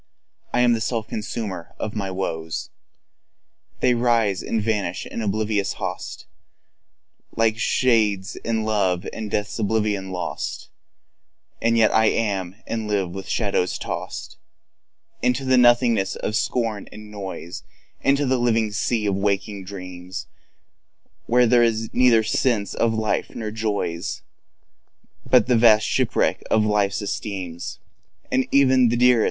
I am the self consumer of my woes; They rise and vanish, an oblivious host, Shadows of life, whose very soul is lost. 5 And yet I am—I live—though I am toss'd Into the nothingness of scorn and noise, Into the living sea of waking dream, Where there is neither sense of life, nor joys, But the huge shipwreck of my own esteem 10 And all that 's dear.